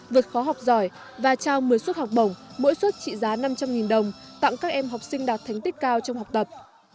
vượt khó học giỏi và trao một mươi suất học bổng mỗi suất trị giá năm trăm linh đồng tặng các em học sinh đạt thành tích cao trong học tập